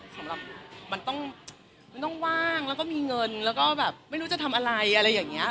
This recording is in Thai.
สำหรับมันต้องมันต้องว่างแล้วก็มีเงินแล้วก็แบบไม่รู้จะทำอะไรอะไรอย่างนี้